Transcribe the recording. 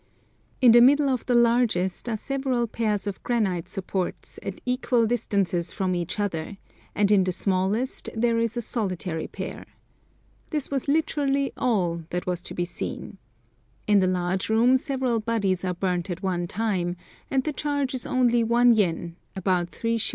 In the middle of the largest are several pairs of granite supports at equal distances from each other, and in the smallest there is a solitary pair. This was literally all that was to be seen. In the large room several bodies are burned at one time, and the charge is only one yen, about 3s.